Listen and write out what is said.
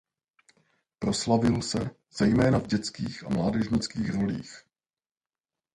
Proslavil se zejména v dětských a mládežnických rolích.